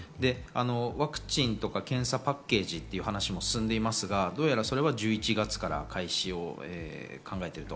ワクチンとか検査パッケージという話も進んでいますが、どうやらそれは１１月から開始を考えていると。